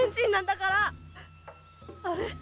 あれ？